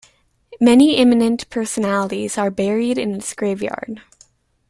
Many eminent personalities are buried in its graveyard.